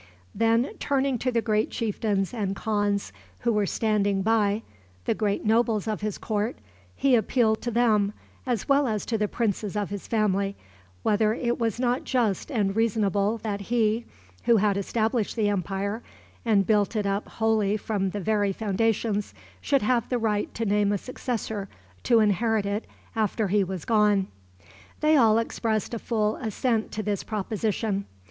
Then, turning to the great chieftains and khans who were standing by the great nobles of his court he appealed to them, as well as to the princes of his family, whether it was not just and reasonable that he, who had established the empire, and built it up wholly from the very foundations, should have the right to name a successor to inherit it after he was gone. They all expressed a full assent to this proposition.